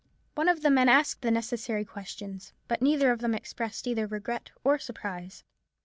One of the men asked the necessary questions. But neither of them expressed either regret or surprise.